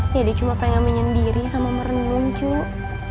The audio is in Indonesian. dede cuma pengen menyendiri sama merenung cuk